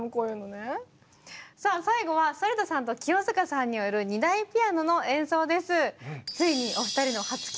さあ最後は反田さんと清塚さんによる２台ピアノの演奏です。